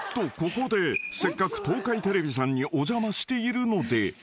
ここでせっかく東海テレビさんにお邪魔しているので］